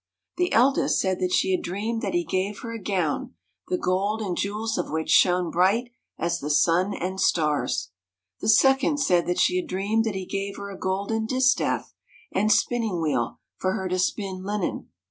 The eldest said that she had dreamed that he gave her a gown, the gold and jewels of which shone bright as the sun and stars. The second said that she had dreamed that he gave her a golden distaff and spinning wheel, for her to spin linen.